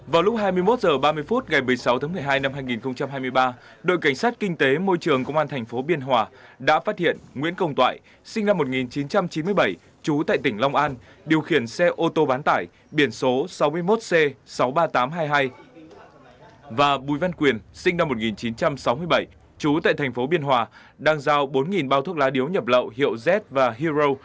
vào lúc hai mươi một h ba mươi ngày một mươi sáu tháng một mươi hai năm hai nghìn hai mươi ba đội cảnh sát kinh tế môi trường công an tp biên hòa đã phát hiện nguyễn công toại sinh năm một nghìn chín trăm chín mươi bảy trú tại tỉnh long an điều khiển xe ô tô bán tải biển số sáu mươi một c sáu mươi ba nghìn tám trăm hai mươi hai và bùi văn quyền sinh năm một nghìn chín trăm sáu mươi bảy trú tại tp biên hòa đang giao bốn bao thuốc lá điếu nhập lậu hiệu z và hero